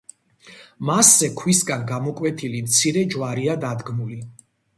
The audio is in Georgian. მასზე ქვისგან გამოკვეთილი მცირე ჯვარია დადგმული.